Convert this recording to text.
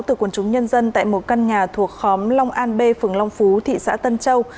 từ quần chúng nhân dân tại một căn nhà thuộc khóm long an b phường long phú thị xã tân châu